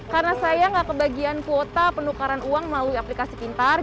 karena saya tidak kebagian kuota penukaran uang melalui aplikasi pintar